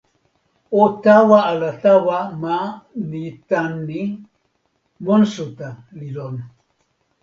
o tawa ala tawa ma ni tan ni: monsuta li lon.